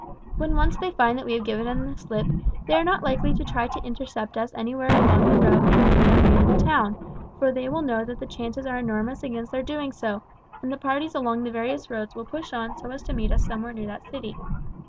When once they find that we have given them the slip they are not likely to try to intercept us anywhere along the route till we near the town, for they will know that the chances are enormous against their doing so, and the parties along the various roads will push on so as to meet us somewhere near that city.